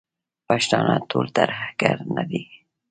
پښتانه ټول ترهګر نه دي.